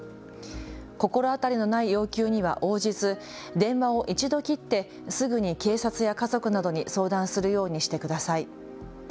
心当たりのない要求には応じず電話を一度切ってすぐに警察や家族などに相談するようにしてください。